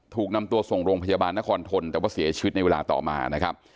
ถูกนำตัวส่งโรงพยาบาลนครทนแต่ว่าเสียชีวิตในเวลาต่อมานะครับ